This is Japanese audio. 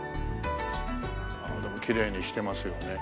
でもきれいにしてますよね。